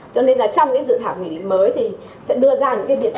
cho nên là trong cái dự thảo nghị định mới thì sẽ đưa ra những cái biện pháp